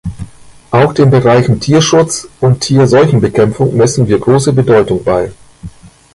Auch den Bereichen Tierschutz und Tierseuchenbekämpfung messen wir große Bedeutung bei.